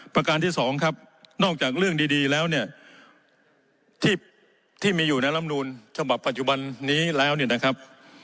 ประการที่สองครับนอกจากเรื่องดีแล้วเนี่ยที่มีอยู่ในลำนูลฉบับปัจจุบันนี้แล้วเนี่ยนะครับ